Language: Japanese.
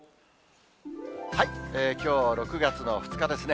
きょう６月２日ですね。